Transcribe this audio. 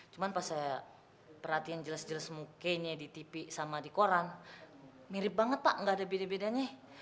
cuma pas saya perhatiin jelas jelas mukanya di tv sama di koran mirip banget pak gak ada beda bedanya